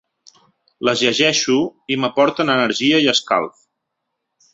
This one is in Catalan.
Les llegeixo i m’aporten energia i escalf.